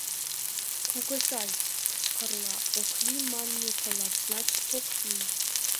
«Кугызай, — кычкырла, — ок лий манме тылат, значит, ок лий!